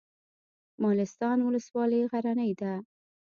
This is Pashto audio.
مالستان ولسوالۍ غرنۍ ده؟